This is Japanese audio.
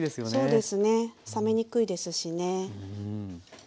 そうですね冷めにくいですしね。